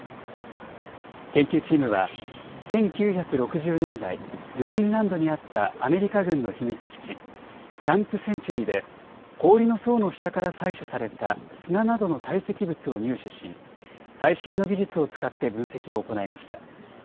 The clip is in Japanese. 研究チームは１９６０年代、グリーンランドにあったアメリカ軍の秘密基地、キャンプ・センチュリーで氷の層の下から採取された砂などの堆積物を入手し最新の技術を使って分析を行いました。